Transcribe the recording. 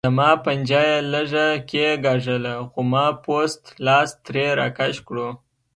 زما پنجه یې لږه کېګاږله خو ما پوست لاس ترې راکش کړو.